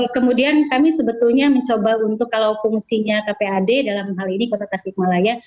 kemudian kami sebetulnya mencoba untuk kalau fungsinya kpad dalam hal ini kota tasikmalaya